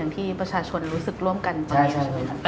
ที่ประชาชนรู้สึกร่วมกันขึ้นใช่ไหมครับ